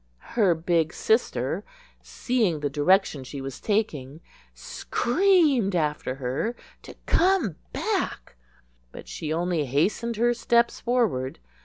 Her big sister, seeing the direction she was taking, screamed after her to come back; but she only hastened her steps forward.